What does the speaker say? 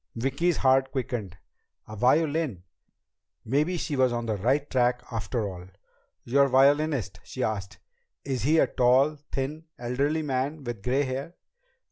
Vicki's heart quickened. A violin! Maybe she was on the right track after all! "Your violinist?" she asked. "Is he a tall, thin, elderly man with gray hair?"